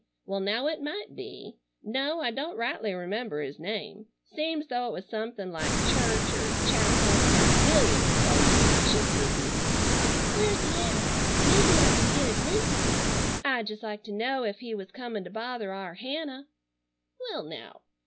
Well now it might be. No, I don't rightly remember his name. Seems though it was something like Church er Chapel. 'Melia could tell ye, but she's busy." "Where's he at? Mebbe I could get a glimpse o' him. I'd jest like to know ef he was comin' to bother our Hannah." "Well now.